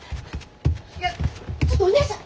いやちょっとお姉さん。